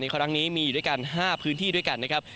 ครั้งนี้มีอยู่ด้วยกัน๕พื้นที่ด้วยกันนะครับ